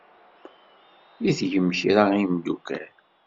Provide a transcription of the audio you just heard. I tgem kra a imeddukal?